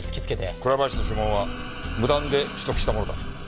倉林の指紋は無断で取得したものだ。